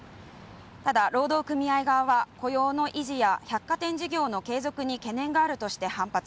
ただ労働組合側は雇用の維持や百貨店事業の継続に懸念があるとして反発